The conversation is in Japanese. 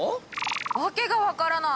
訳が分からない！